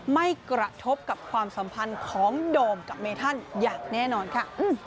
ไม่กระทบกับความสัมพันธ์ของโดมกับเมธันอย่างแน่นอนค่ะ